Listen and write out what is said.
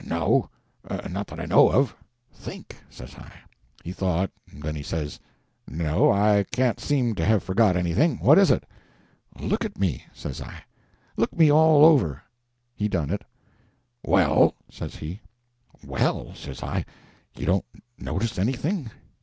... No, not that I know of." "Think," says I. He thought. Then he says— "No, I can't seem to have forgot anything. What is it?" "Look at me," says I, "look me all over." He done it. "Well?" says he. "Well," says I, "you don't notice anything?